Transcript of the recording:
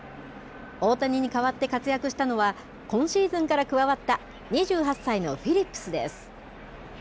大谷に代わって活躍したのは今シーズンから加わった２８歳のフィリップスです。